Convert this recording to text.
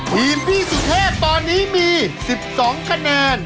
ทีมพี่สุทธิ์เทกตอนนี้มีสิบสองคะแนน